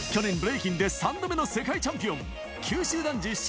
去年ブレイキンで３度目の世界チャンピオン。